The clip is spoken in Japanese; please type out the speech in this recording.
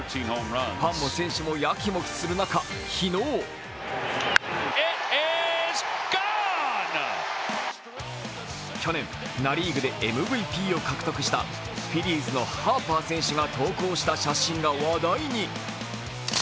ファンも選手もやきもきする中、昨日去年、ナ・リーグでМＶＰを獲得したフィリーズのハーパー選手が投稿が話題に。